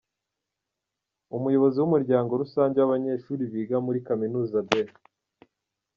Umuyobozi w’umuryango rusange w’abanyeshuri biga muri iyi kaminuza, B.